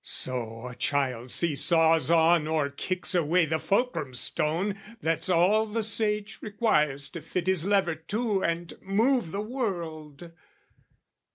So a child seesaws on or kicks away The fulcrum stone that's all the sage requires To fit his lever to and move the world.